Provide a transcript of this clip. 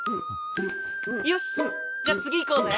よしじゃあ次行こうぜ。